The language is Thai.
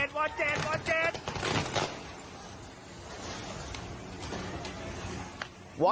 โทษมันดีตัวว่าว้าว้า